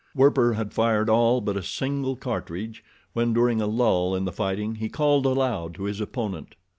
Werper had fired all but a single cartridge, when, during a lull in the fighting, he called aloud to his opponent.